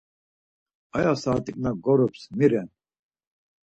Aya saat̆is na gorups mi ren?